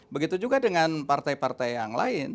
begitu juga dengan partai partai yang lain